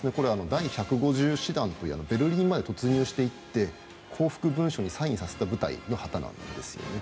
第１５０師団というベルリンまで進軍していって降伏文書にサインさせた部隊の旗なんですね。